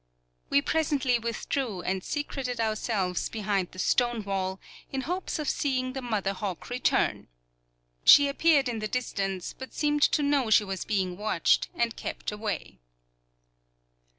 We presently withdrew and secreted ourselves behind the stone wall, in hopes of seeing the mother hawk return. She appeared in the distance, but seemed to know she was being watched, and kept away.